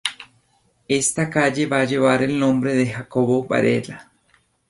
Esta calle va a llevar el nombre de Jacobo Varela.